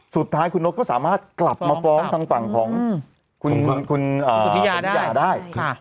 สุดท้ายคุณนกก็สามารถกลับมาฟ้องทางฝั่งของคุณสุธิยาได้